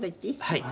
はい。